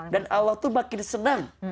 dan allah tuh makin senang